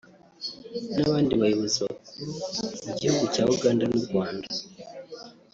n’abandi bayobozi bakuru mu gihugu cya Uganda n’u Rwanda